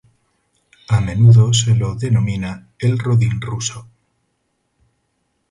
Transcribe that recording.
A menudo se lo denomina "el Rodin ruso".